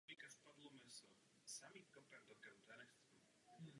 Budete o tom diskutovat také v rámci finančního nařízení.